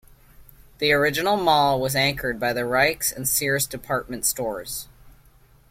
The original mall was anchored by the Rike's and Sears department stores.